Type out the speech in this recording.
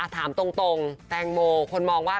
ถามตรงแตงโมคนมองว่า